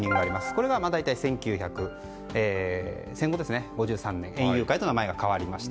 これが戦後、１９５３年に園遊会と名前が変わりました。